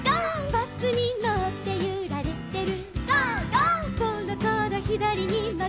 「バスにのってゆられてる」